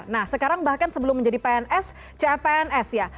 nah sekarang bahkan sebelum menjadi pns cpns ya